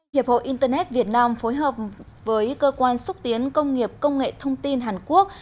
hiệp hội internet việt nam phối hợp với cơ quan xúc tiến công nghiệp công nghệ thông tin hàn quốc